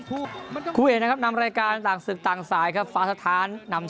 คู่คู่เอกนะครับนำรายการต่างศึกต่างสายครับฟ้าสถานนำ